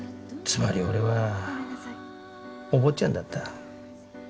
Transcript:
つまり俺はお坊ちゃんだった。